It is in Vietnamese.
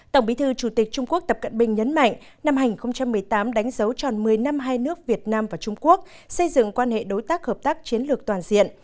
tổng bí thư chủ tịch trung quốc tập cận bình nhấn mạnh năm hai nghìn một mươi tám đánh dấu tròn một mươi năm hai nước việt nam và trung quốc xây dựng quan hệ đối tác hợp tác chiến lược toàn diện